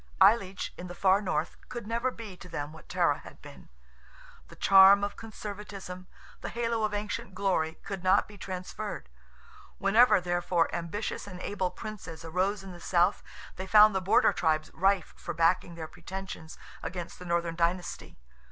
Aileach, in the far North, could never be to them what Tara had been. The charm of conservatism, the halo of ancient glory, could not be transferred. Whenever, therefore, ambitious and able Princes arose in the South, they found the border tribes rife for backing their pretensions against the Northern dynasty.